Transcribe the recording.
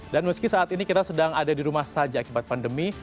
dan meski saat ini kita sedang ada di rumah saja akibat pandemi